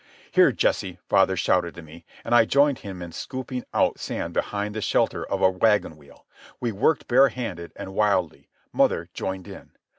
"Here, Jesse!" father shouted to me, and I joined him in scooping out sand behind the shelter of a wagon wheel. We worked bare handed and wildly. Mother joined in.